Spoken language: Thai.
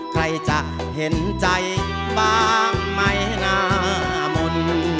ใครจะเห็นใจบ้างไม่นามน